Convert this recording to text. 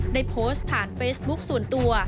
ได้โพสต์ผ่านเฟซบุ๊คส่วนตัว